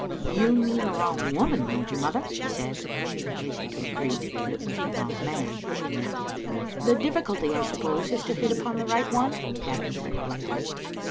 " You mean the wrong woman, don't you, mother?" he said, and she hastened to agree. But it was the wrong man she meant. "The diflSculty, I suppose, is to hit upon the right one?" Gavin said, blithely.